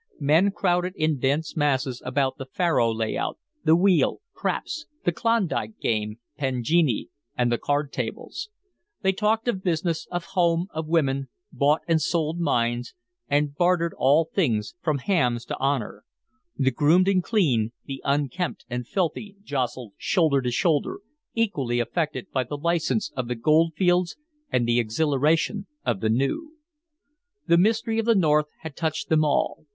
Men crowded in dense masses about the faro lay out, the wheel, craps, the Klondike game, pangingi, and the card tables. They talked of business, of home, of women, bought and sold mines, and bartered all things from hams to honor. The groomed and clean, the unkempt and filthy jostled shoulder to shoulder, equally affected by the license of the goldfields and the exhilaration of the New. The mystery of the North had touched them all.